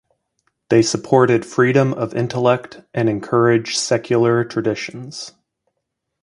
They supported Freedom of intellect and encourage secular traditions.